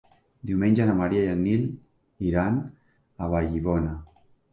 Diumenge na Maria i en Nil iran a Vallibona.